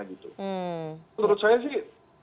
menurut saya sih